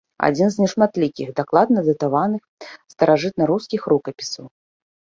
Адзін з нешматлікіх дакладна датаваных старажытнарускіх рукапісаў.